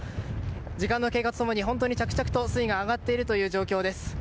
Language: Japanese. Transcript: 時間の経過と共に着々と水位が上がっているという状況です。